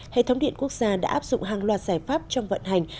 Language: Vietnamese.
hệ thống điện quốc gia đã áp dụng hàng loạt giải pháp trong vận hành